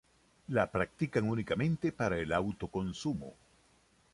La practican únicamente para el auto consumo.